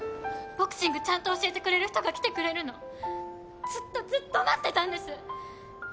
ボクシングちゃんと教えてくれる人が来てくれるのずっとずっと待ってたんです！